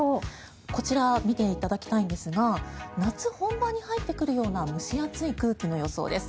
こちら見ていただきたいんですが夏本番に入ってくるような蒸し暑い空気の予想です。